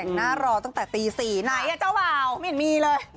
เอาอีกแล้วอ่ะอีกแล้ว